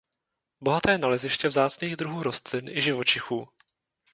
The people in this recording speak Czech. Bohaté naleziště vzácných druhů rostlin i živočichů.